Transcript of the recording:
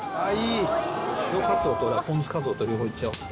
塩カツオとポン酢カツオと両方いっちゃおう。